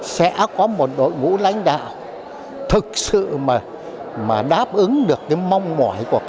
sẽ có một đội ngũ